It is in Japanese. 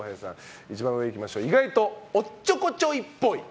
意外とおっちょこちょいっぽい。